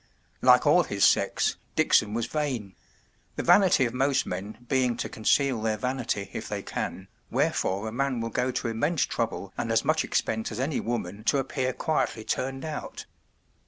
Like all his sex, Dickson was vain; the vanity of most men being to conceal their vanity if they can, wherefore a man will go to immense trouble and as much expense as any woman to appear quietly turned out.